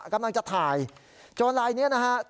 กำลังจะถ่ายจนระดับนี้นะฮะ